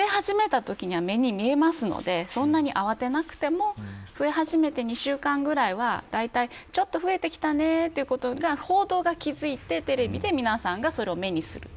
増え始めたときには目に見えますのでそんなに慌てなくても増え始めて２週間ぐらいはちょっと増えてきたねということに報道が気付いてテレビで皆さんが目にする。